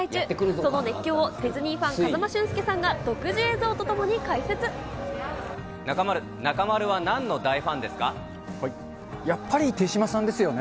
この熱狂をディズニーファン、風間俊介さんが独自映像とともに中丸、中丸はなんの大ファンやっぱり手嶋さんですよね。